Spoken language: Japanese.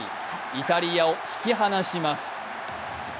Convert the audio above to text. イタリアを引き離します。